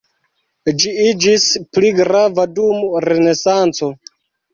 Ĝi iĝis pli grava dum Renesanco.